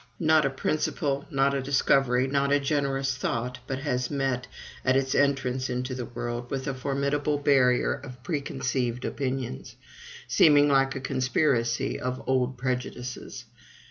Not a principle, not a discovery, not a generous thought but has met, at its entrance into the world, with a formidable barrier of preconceived opinions, seeming like a conspiracy of all old prejudices.